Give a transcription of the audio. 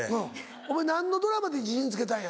お前何のドラマで自信つけたんや？